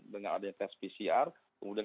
dengan adanya tes pcr kemudian